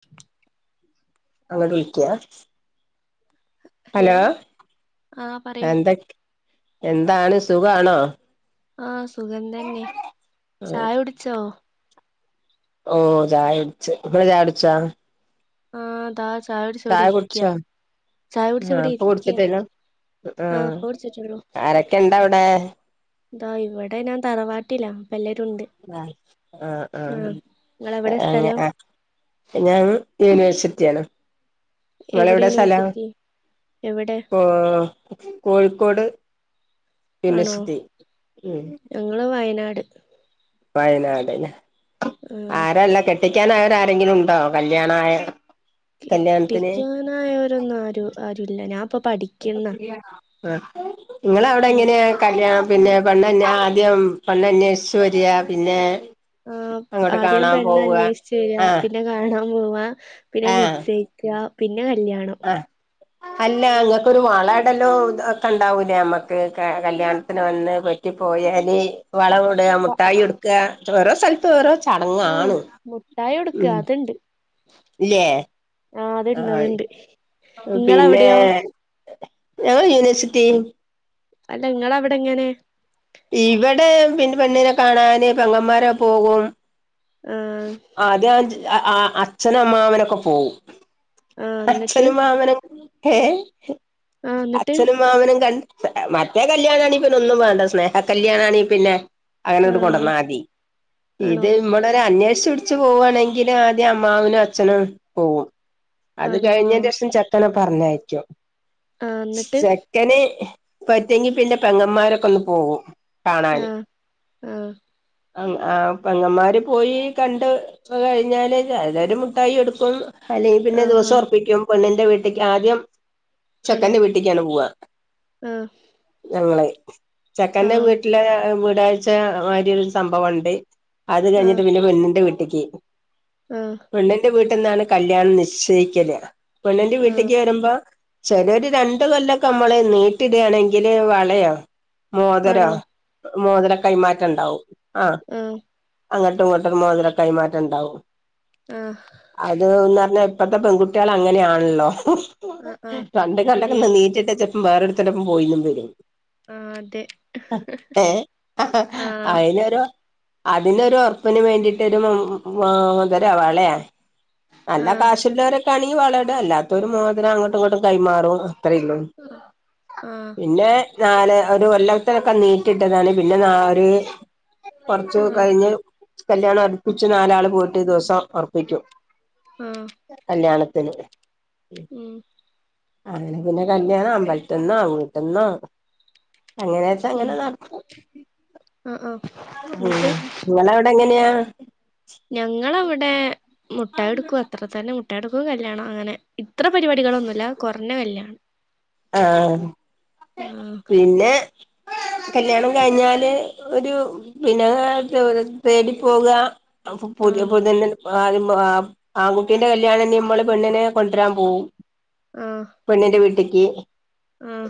[inaudible] അങ്ങോട്ട് വിളിക്ക്യ. ഹലോ ആഹ് പറയൂ എന്തൊ എന്താണ് സുഖാണോ? ആഹ് സുഗം തന്നെ ചായ കുടിച്ചോ? ഓ ചായുട്ച് ഇവിടെ ചായുടിച്ചാ? ആഹ് താ ചായ കുടിച് ഇവിടെ ഇരിക്കയാ കുടിച്ചോ ചായ ആ കുടിച്ചിവിടെ ഇപ്പൊ ഇരിക്ക. കുടിച്ചിട്ടില്ല ആ ആഹ് ഇപ്പൊ കുടിച്ചിട്ടുള്ളൂ. ആരൊക്കെ ഇണ്ട അവിടെ ഇതാ ഇവിടെ ഞാൻ തറവാട്ടിലാ അപല്ലേരുണ്ട്. ആഹ് നിങ്ങളെവിടെ ആഹ് സ്ഥലം ആ. ഞാൻ യൂണിവേഴ്സിറ്റിയാണ്. എവിടെ നിങ്ങളെവിടെ സ്ഥലം? യൂണിവേഴ്സിറ്റി എവിടെ കോഴിക്കോട് ആണോ യൂണിവേഴ്സിറ്റി. ഞങ്ങള് വയനാട്. വയനാട്ലെ ആഹ് ആരാള്ള കെട്ടിക്കൻ ആയവരാരെങ്കിലും ഉണ്ടോ കല്യാണായ. കല്യാണത്തിന് കെട്ടിക്കാനായവരൊന്നും ആരു ആരു ഇല്ല ഞാൻപ്പൊ പഠിക്ക. ആ നിങ്ങളവിടെ ആഹ് എങ്ങനെയ. കല്യാണം പിന്നെ പെണ്ണന്നെ ആദ്യം പെണ്ണന്നെഷിച്ചു വര പിന്നെ ആ അങ്ങോട്ട് ആദ്യം കാണാൻ പോവുക പെണ്ണന്വേഷിച് വര ആഹ് പിന്നെ കാണാ. പിന്നെ ആഹ് നിശചയിക്ക പിന്നെ കല്യാണം ആഹ് അല്ല ങ്ങക്കൊരു വള അപ്പൊ ഇടലോ ഒക്കെ ഉണ്ടാവൂലേ നമ്മക്ക് കല്യാണത്തിന് വന്ന് പറ്റി പോയാല് വള ഇടുക മുട്ടായി കൊടുക്കുക ഓരോ സ്ഥലത്തും ഓരോ ആഹ് ചടങ്ങാണ്. മുട്ടായി കൊടുക്ക ഉം അതുണ്ട്. ഇല്ലേ. ആഹ. അത്ണ്ട്, ആഹ് അത്ണ്ട്. പിന്നെ, ഞങ്ങളെ യൂണിവേഴ്സിറ്റി- അല്ല. ങ്ങളവ്ടെ എങ്ങനെ? ഇവടെ പിന്ന പെണ്ണിനെ കാണാന് പെങ്ങന്മാരൊക്കെ പോകും. ആഹ. ആദ്യം അച്ഛനും അമ്മാവനൊക്കെ പോകും. ആഹ് എന്നിട്ട് അച്ഛനും മാമനും - ഏ. ആഹ് എന്നിട്ട് അച്ഛനും മാമനും കണ്ട്- മറ്റേ കല്ല്യാണാണെങ്കി പിന്നെ ഒന്നും വേണ്ട. സ്നേഹ കല്യാണാണെങ്കി പിന്നെ- അങ്ങനെ ഇട്ട് ആഹ് കൊണ്ടന്നാതി. ആണോ ഇത് ഇവടെ ഒരു അന്വേഷിച്ച് പിടിച്ച് പോവുവാണെങ്കി- എങ്കിലും ആദ്യം അമ്മാവനും അച്ഛനും പോകും. അത് ആണോ ആഹ് കഴിഞ്ഞന്റഷം ചെ തനെ പറഞ്ഞായക്കും ആഹ് എന്നിട്ട് ചെ - ക്കനെ പറ്റെങ്കി പിന്നെ പെങ്ങന്മാരൊക്കെ ഒന്ന് പോകും. കാണാന് ആഹ്. ആഹ് ആ പെങ്ങമാര് പോയി കണ്ട് കഴിഞ്ഞാല് ചെലർ മുട്ടായി കൊടുക്കും. അല്ലെങ്കിൽ പിന്നെ ആഹാ ദിവസം ഉറപ്പിക്കും. പെണ്ണിന്റെ വീട്ടിക്ക് ആദ്യം ആണോ ചെക്കൻന്റെ വീട്ടിക്കാണ് പോവ. ആഹ് ഞങ്ങളെ, ചെക്കന്റെ ആഹ് വീട്ടിലെ വീടാഴ്ച ഒരുസ - സംഭവുണ്ട്. അത് ആഹ് കഴിഞ്ഞിട്ട് പിന്നെ പെണ്ണിന്റെ വീട്ടിക്കി ആഹ് പെണ്ണിന്റെ വീട്ടിൽ നിന്നാണ് കല്യാണം നിശ്ചയിക്കല്. പെണ്ണിന്റെ ആഹ് വീട്ടിക്ക് വരുമ്പോ ചെലര് രണ്ടു കൊല്ലൊക്കെ നമ്മള് നീട്ടി ഇടാണെങ്കില് വളയോ, മോതരോ ആണോ മോതിര കൈമാറ്റം ഉണ്ടാവും. ആ ആഹ് അങ്ങട്ടും ഇങ്ങോട്ടും മോതിര കൈമാറ്റംണ്ടാവും. ആഹ് അന്ന് പറഞ്ഞാ ഇപ്പഴത്തെ പെൺകുട്ടികൾ അങ്ങനെയാണല്ലോ? ആഹ് ആഹ് പണ്ട് കണ്ടൊക്കെ ശരിയാ ഒന്ന് നീട്ടിട്ട വേറെരുതെന്റപ്പം പോയിന്നും വരും. ആഹ് അതെ ഏ ആഹ് അയിന്. അതിനൊരു ഒർപ്പിന് വേണ്ടിട്ടൊരു മും മാ മോതിരോ വളെ. നല്ല ആഹ് കാശുള്ളവരൊക്കെണങ്കി വളടും അല്ലാത്തവരും മോതിരം അങ്ങട്ടു ഇങ്ങട്ടു കൈമാറും. ത്രള്ളൂ ആഹ് പിന്നെ. നാല് ഒരു കൊല്ലത്തനൊക്കെ നീറ്റിട്ടതാണ് പിന്നെ നാര്. കൊർച്ചു ആഹ് കഴിഞ്ഞ് കല്യാണം ഒർപ്പിച്ച് നാലാള് പോയിട്ട് ദിവസം ഒർപ്പിക്ക്യും. ആഹ്. കല്യാണത്തിന്. ഉം അങ്ങനെ പിന്നെ കല്യാണം അമ്പൽത്ത്ന്നോ വീട്ട്ന്നോ അങ്ങനെച്ച അങ്ങനെ നട- അ ആഹ്. ഉം എന്നിട്ട് ങ്ങളവ്ടെങ്ങനെയാ? ഞങ്ങളവിടെ മുട്ടായൊട്ക്കു അത്ര തന്നെ മുട്ടായൊട്ക്കു കല്യാണം അങ്ങനെ. ഇത്ര പരിപാടികളൊന്നുല്ല കൊർഞ്ഞ കല്യാൺ ആഹ് പിന്നെ. കല്യാണം കഴിഞ്ഞാല് ഒരു പിന്നെ തേട് തേടി പോക. അപ്പൊ പുതിയ ആഹ് പുത്യണ്ണിനെ. ആദ്യം ആ ആൺകുട്ടീന്റെ കല്യാണന്നി മ്മള് പെണ്ണിനെ കൊണ്ടരാൻ പോവും. ആഹ്. പെണ്ണിന്റെ വീട്ടിക്കി. ആഹ്.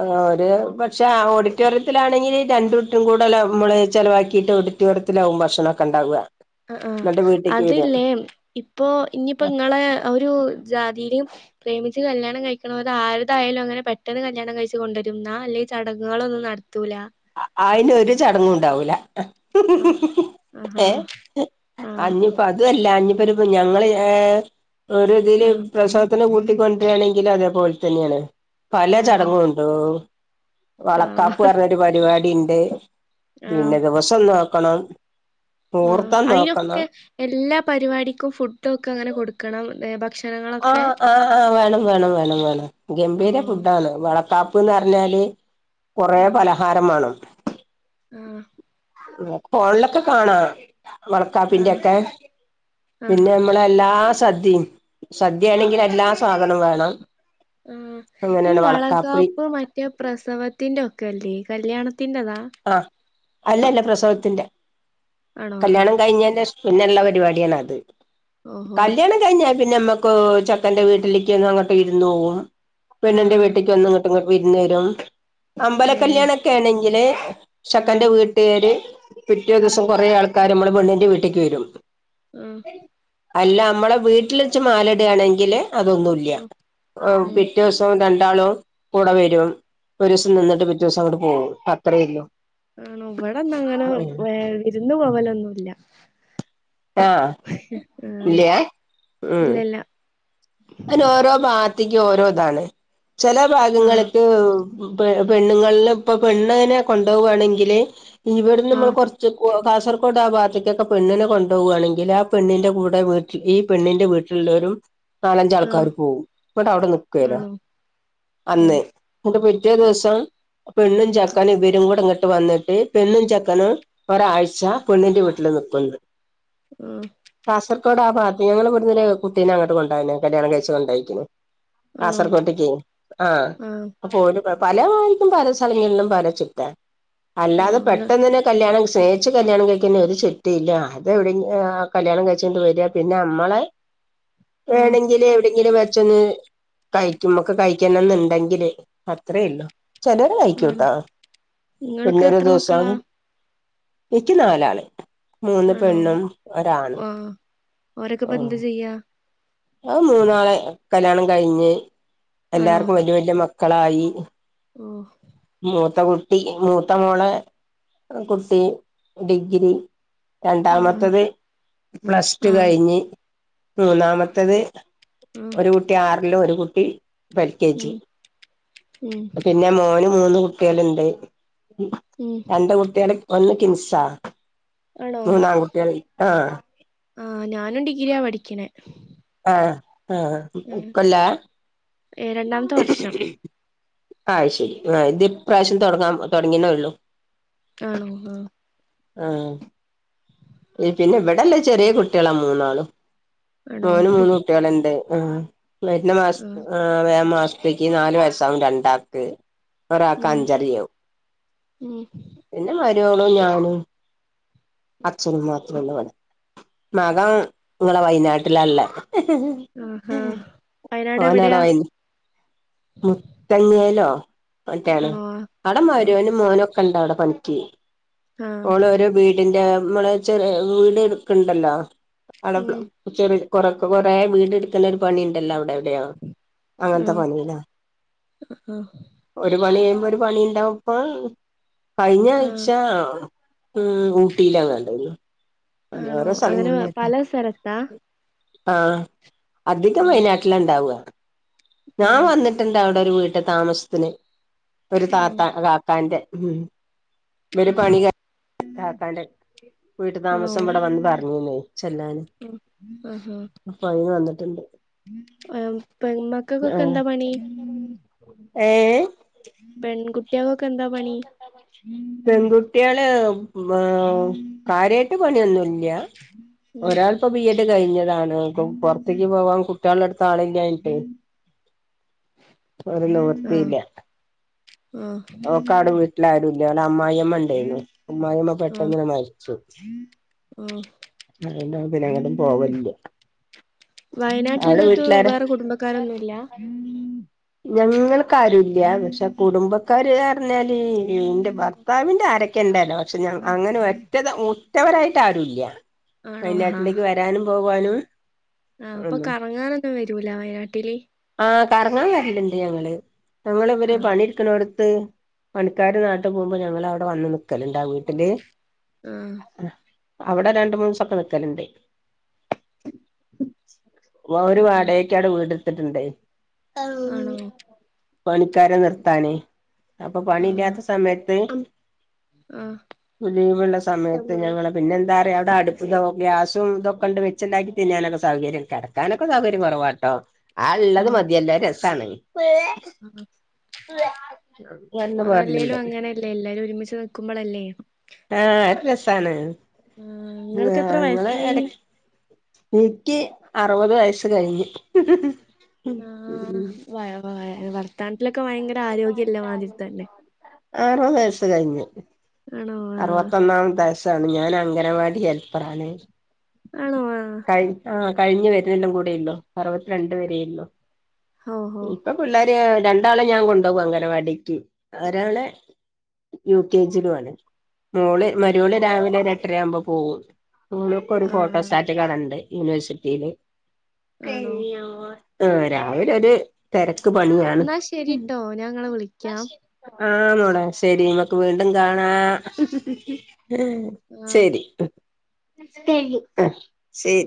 ആ ഒരു പക്ഷെ ആ ഓഡിറ്റോറിയത്തിലാണെങ്കില് രണ്ടുറ്റുംകൂടെല്ല മ്മള് ചെലവാക്കിട്ട് ഓടി റ്റോറിയത്തിലാവും ഭക്ഷണക്കെണ്ടാവ. അ ആഹ് അത് ല്ലേ ഇപ്പൊ ഇഞ്പ്പങ്ങളെ ഒരു ജാതിയില്. പ്രേമിച്ച് കല്യാണം കഴിക്കണോൽതാര്തായാലും അങ്ങനെ പെട്ടെന്ന് കല്യാണം കഴിച്ച് കൊണ്ടരുംന്നാ അല്ലെങ്കി ചടങ്ങുകളൊന്നും നട ത്തൂല. അ അയിൻ്റൊരു ചട്ങ്ങുണ്ടാവൂല. ആഹ് ആഹാ ഏ ആഹ് അഞ്ഞു. പ്പതുഅല്ല ഞ്പ്പരു ഞങ്ങള് ഏ ഒരുതില്. ആഹ് പ്രസവത്തിന് കൂട്ടിക്കൊണ്ടരാണെങ്കിലതേപോൽ തന്നെണ് പല ആണോ ചടങ്ങു ന്തോ ആഹ് വളക്കാപ്പ് അർഞ്ഞൊരു പരിപാടിണ്ട്. ആഹ് പിന്നെ ദിവസം നോക്കണം. ഉം മുഹൂർത്തം നോക്കണം അയ്നൊക്കെ എല്ലാ പരിപാടിക്കും ഫുഡൊക്കെങ്ങനെ കൊടുക്കണം ഏ ഭക്ഷ ആഹ് ആഹാ വേണം വേണം വേണം വേണം ഗംഭീര ഓഹ് ഫുഡാണ്. വളക്കാപ്പ്ന്നർഞ്ഞാല് കൊറെ ആഹ് പലഹാരം മാണം. ആഹ്. ഫോൺലൊക്കെ കാണാ. ആഹ് വളക്കാപ്പിന്റെക്കെ ആഹ് പിന്നെ മ്മളെ എല്ലാ സദ്യിം. സദ്യേണെങ്കിലെല്ലാ സാധനം വേണം. ഉം ഈ അങ്ങനെയാണ് വളക്കാപ്പ് വളകാപ്പ് മറ്റ റ്റ പ്രസവത്തിന്റെ ഒക്കെല്ലേ കല്യാണത്തിന്റെതാ. ആഹ് അല്ലല്ല പ്രസവത്തിന്റെ ആണോ കല്ല്യാണം കഴിഞ്ഞന്റെഷ പിന്നെള്ള പരിപിട്യാണത് ഓഹോ കല്യാണം. കയ്ഞ്ഞ പിന്നെമ്മുക്കു ചെക്കന്റെ വീട്ടിലേക്ക് ഒന്ന് അങ്ങട്ട് വിരുന്നോവും ആഹ് പെണ്ണിന്റെ ആഹ് വീട്ടിക്കൊന്ന്ങ്ങ ങ്ങട്ട് വിര്ന്നരും അമ്പല ഏഹ് കല്യാണൊക്കെണെങ്കില് ചക്കന്റെ ആഹ് വീട്ട ട്ടേര് പിറ്റേ ആഹ് ദിവസം കൊറേ ആൾക്കാര് മ്മള് പെണ്ണിൻ്റെ വീട്ടിക്ക് വരും. ഉം. അല്ല മ്മളെ വീട്ടിലെച്ച് മാലടാണെങ്കില് അതൊന്നുല്ല്യ ഉം അ ഉം പിറ്റേസ് ഒ രണ്ടാളും കൂടെ വരും ഒരുസം നിന്നിട്ട് പിറ്റേ ദിവസങ്ങട്ട് പോകും അത്രേള്ളൂ. ഉം വിടെന്നും അങ്ങനെ വേ വിരുന്ന് പോവലൊന്നുല്ല. ആഹ് ആഹ് ഇല്ലേ ഇല്ലല്ല. അനോരോ ഭാത്തിക്ക്യു ഓരോതാണ് ചെല ആഹ് ഭാഗങ്ങൾക്ക്. പെണ്ണുങ്ങളെ ഇപ്പൊ പെണ്ണണ് അങ്ങനെ കൊണ്ടുപോകുകയാണെങ്കിൽ ഇവിടുന്ന് നമ്മൾ ആഹ് കൊറച്ച് ച് കാസർകോട്ആ ഭാഗത്തേൊക്കെ പെണ്ണിനെ കൊണ്ടു പോകുകയാണെങ്കിൽ ആ പെണ്ണിൻന്റെ കൂടെ വീ ഈ പെണ്ണിന്റെ വീട്ടിലുള്ളവരും നാലഞ്ച ആൾക്കാർ ആഹ് പോകവും എന്നട്ട് അവിടെ നിക്കുല്ലോ ആണോ അന്ന് ഏഹ് ഇിന്നിട്ട് പിറ്റേ ആഹ് ദിവസംപെണ്ണും ചെക്കനും ഇവരും കൂടെ ഇങ്ങട്ട ട്ട് വന്നിട്ട് പെണ്ണും ചെക്കനും ഒരാഴ്ച പെണ്ണിന്റെ വീട്ടില് നിക്കും ന്ന് ആഹ് കാസർകോഡ ആ ഭാഗത്ത് ഞങ്ങള്ൾ ഇവിടുന്നൊരു കുട്ടീനെ അങ്ങോട്ട കൊണ്ടായിന് കല്യാണം കഴിച്ച് കൊണ്ടായിക്ന്ന് ആണോ കാസർകോട്ടിക്ക് ആ ആഹ് അപ്പോ ഓൾ പല വാർത്തും പല സ്ഥലങ്ങളിലും പല ചുറ്റാ അല്ലാതെ ആഹ് പെട്ടെന്ന് കല്യാണം സ്നേഹിച്ചച്ച് കല്യാണം കഴിക്കുന്ന ഒരു ചിട്ടയില്ല അത എവിടെ ആ കല്യാണം കഴിച്ചുകൊണ്ട് വരിക പിന്നെ നമ്മളെ ആഹ് വേണങ്കിൽ എവിടെയെങ്കിലും വെച്ചൊന്ന് കഴിക്കും മ്മക്ക് കഴിക്കാണം ഇണ്ടെങ്കില് അത്രേല്ലോ ചിലോർ ആണോ കഴിക്കൂട്ടാ നിങ്ങൾക്ക് പിന്നൊരു എത്ര ദിവസം മക്കളാ ഇക്ക് നാലാള് മൂന്ന് ആണോ പെണ്ണും ഒരാണ് ആഹ് ഓരൊക്കെ ഇപ്പ എന്ത് ചെയ്യാ ആ മൂന്നാള് കല്യാണം കഴിഞ്ഞ് ആണോ എല്ലാർക്കും വല്ല്യയ വല്യ മക്കളായി ഓഹ് മൂത്ത കുട്ടി മൂത്ത മോള കുട്ടി ഡിഗ്രി ആഹ് രണ്ടാമത്തത് പ്ലസ്ടു ആഹ് കഴിഞ്ഞ് മൂന്നാമത്തത് ആഹ് ഒരു കുട്ടി ആറിലും ഒരു കുട്ടി പ്പ ൽകെജി ഉം ഉം പിന്നെ മോന് മൂന്ന് കുട്ടികൾണ്ട് ഉം രണ്ട് കുട്ടിയാൽ ഒന്ന് കിൻസാ മൂന്നാകുട്ടിയാലൈ ആ ആ ഞാനും ഡിഗ്രിയ പഠിക്കണേ ആഹ് ആ ഉം ഇക്കൊല്ല ഏഹ് രണ്ടാമത്തെ വർഷം. അത് ശരി ആ ഇത് പ്രാവശ്യം തുടങ്ങാൻ തുടങ്ങിയുന്നേ ഉള്ളൂ. ആണോ? ആഹ് ആ പിന്നെ ഇവിടല്ലേ ചെറിയ കുട്ടിയാളാ മൂന്നാളും. ആണോ മോന് മൂന്ന് കുട്ടികളുണ്ട് ആഹ് വരുന്ന മാസ ആഹ് ആ വേ മാസത്തേക് നാല് വയസാവും രണ്ടാക്ക്. ഒരാൾക്ക് ഉം അഞ്ചരയും ആവും ഉം പിന്നെ മരുമോളും ഞാനും അച്ഛനും മാത്രം ഉള്ളിവിടെ. മകൻ ഇങ്ങളെ വയനാട്ടിലാ ഇള്ളേ ഹ്ഹ് ആഹ് ഹ വയനാട് എവിടെയാ? മുത്തങ്ങലോ മറ്റെയാണ് ആണോ ആഹ് അവിട മരുമോനു മോനൊക്കെ ണ്ടവിടെപണിക്ക് ആഹ് ഓൾ ഓരോ വീ വീടിന്റെ നമ്മള ചെറിയ വീട് എടുക്കുന്നുണ്ടല്ലോ അള് ഉം ചെറിയ കൊറ കൊറേ വീട് എടുക്കേണ്ട ഒരു പണിയുണ്ടല്ലോ അവിടെ എവിടെയോ? അങ്ങനത്തെ പണിയിലാ. ആ ആഹ് ഒരു പണി കഴുമ്പോ ഒരു പണി ഉണ്ടാവും ഇപ്പൊ കഴിഞ്ഞ ആഹ് ആഴ്ചാ ഉം ഊട്ടിയിലെങ്ങാണ്ടാണു ആണോ ഓരോരോ അങ്ങനെ സ്ഥലങ്ങളിലായിട്ടാ. പല സ്ഥലത്താ ആഹ്അധികം ആഹ് വയനാട്ടിലാ ഇണ്ടാവ ഞാൻ ഉം വന്നിട്ട് ട്ടണ്ടവിടെ ഒരു വീട്ട താമസത്തിന് ഒരു ഉം താത്ത കാക്കാന്റെ ഉം. ഇവര് പണിക്കഴി താത്തന്റെ വീട്ടു ആണോ താമസം ഇവിടെ വന്ന് പറഞ്ഞിന്നേ ചെല്ലാന് ഉം ആഹാ അപ്പൊ അതിന് വന്നിട്ടുണ്ട് ആഹ് പെമക്കൾക്കൊക്കെ ആഹ് എന്താ പണി? ഏഹ്? പെൺകുട്ടിയാകൊക്കെ എന്താ പണി? [unintelligible] പെൺകുട്ടിയാള് കാര്യായിട്ട് പണി ഒന്നു ഇ ല്ല ഉം ഒരാൾ ഇപ്പൊ ബിഎഡ് എഡ് കഴിഞ്ഞതാണ് ഇപ്പൊ പുറത്തേക്ക് പോവാൻ കുട്ടികളുടെ അടുത്ത് ആളില്ലാഞ്ഞിട്ടേ ഒരു ആഹ് നിവൃത്തിയില്ല. ആഹ് അവക്ക് അവിടെ വീട്ടിലാരുല്ലേ അവിടെ അമ്മായിയമ്മ ഉണ്ടായിനു. അമ്മായിമ്മ ആഹ് പെട്ടെന്ന് മരിച്ചു. ആഹ് അതുകൊണ്ട് പിന്നെ എങ്ങോട്ടും പോകലില്ല. വയനാട്ടിൽ നിങ്ങൾക്ക് വേറെ കുടുംബക്കാരൊന്നും ഇല്ല? ഞങ്ങൾക്കാരു ഇല്ല പക്ഷെ കുടുംബ ക്കാര് പറഞ്ഞാൽ എന്റെ ഭർത്താവിന്റെ അരക്കെ ഉണ്ടായിരുന്നു. പക്ഷെ ഞ അങ്ങനെ ഒറ്റത് ഉറ്റവരായിട്ട് ആരു ഇല്ല ആണോ വയനാട്ടിലേക്ക് വരാനും പോകാനും. ആഹ് അപ്പൊ ഒന്നും കറങ്ങാനൊന്നും വരൂലേ വയനാട്ടില്? ആഹ് കറങ്ങാൻ വരലുണ്ട് ഞങ്ങള് ഞങ്ങള് ഇവര് ആഹ് പണി എടുക്കണോ ട ട്ട് പണിക്കാര് നാട്ടില് പോകുമ്പോ ഞങ്ങള് അവിടെ വന്ന് നിക്കലുണ്ടാവു വീട്ടില്. ആഹ് ആഹ് അവിടെ രണ്ടു മൂന്ന് ദിവസമൊക്കെ നിക്കലുണ്ട്. ഒരു ആഹ് ആഹ് വാടകയ്ക്ക് അവിടെ വീടെടുത്തിട്ടുണ്ട്. ആണോ പണിക്കാരെ നിർത്താന് അപ്പൊ ആഹ് പണിയില്ലാത്ത സമയത്ത് ആഹ് ലിവുള്ള സമയത്ത് ഞങ്ങള് പിന്നെ എന്താ പറയാ അവിടെ അടുപ്പു ഇതും ഗ്യാസും ഇതൊക്കെണ്ട് വച്ച് ഉണ്ടാക്കി തിന്നാന്നൊക്കെ സൗകര്യം കിടക്കാനൊക്കെ സൗകര്യം കുറവാട്ടോ. ആഹ് ഉള്ളത് മതിയല്ലോ രസമാണ്. അത് അല്ലേലും അങ്ങനെയല്ലേ എല്ലാരും ഒരുമിച്ച് നൽക്കുമ്പോൾ അല്ലേ ആഹ് ഒരു രസാണ് ആഹ് നിങ്ങൾക്ക് എത്ര നിങ്ങള് എട വയസ്സായി ഇൻക്കി അറുവത് വയസ് കഴിഞ്ഞ് ആഹ് വായ വായ വർത്താനത്തിലൊക്കെ ഭയങ്കര ആരോഗ്യം ഉള്ളമാതിരി തന്നെ. അറുപത് വയസ് കഴിഞ്ഞ് ആണോ ആഹ് അറുപത്തൊന്നാംത്തെ ണ് ഞാൻ അംഗനവാടി ഹെൽപ്പറ ആണ് ആണോ ആഹ് കൈ ആഹ് കയ്ഞ് വെര്ന്നെല്ലാം കൂടീള്ളു അറുപത്തിരണ്ട് വെരെള്ളു ഓഹോ ഇപ്പം പിള്ളേരെ രണ്ടാളെ ഞാൻ കൊണ്ടുകും അംഗനവാടിക്ക് ഒരാളെ യു കെ ജിലു ആണ് മോള് മര്യോള് രാവിലെ ഒരു എട്ടരാമ്പോ പോം. മോൾക്ക് ഒരു ഫോട്ടോ ആഹ് സ്റ്റാറ്റ് കാടയുണ്ട് യൂണിവേഴ്സിറ്റില്. ആണോ ആഹ് രാവിലെ ഒര് തെരക്ക് പണിയാണ്. എന്നാ ശരിട്ടോ ഞാൻ ഇങ്ങളെ വിളിക്കാം ആഹ് മോളെ ശെരി നമക്ക് വീണ്ടും കാണാ ആഹ് ശരി ആഹ് ശെരി.